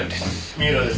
三浦です。